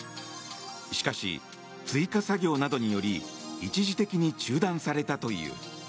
しかし、追加作業などにより一時的に中断されたという。